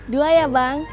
dua ya bang